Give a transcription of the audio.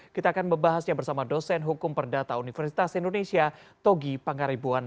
kita akan membahasnya bersama dosen hukum perdata universitas indonesia togi pangaribuan